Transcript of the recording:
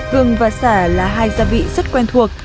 gừng và xả là hai gia vị rất quen thuộc